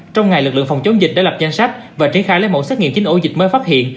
trong ngày lực lượng phòng chống dịch đã lập danh sách và triển khai lấy mẫu xét nghiệm chín ổ dịch mới phát hiện